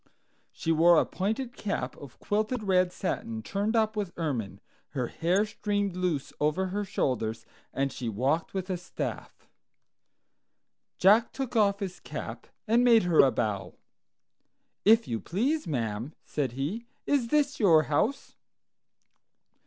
She wore a pointed cap of quilted red satin turned up with ermine, her hair streamed loose over her shoulders, and she walked with a staff. Jack took off his cap and made her a bow. "If you please, ma'am," said he, "is this your house?"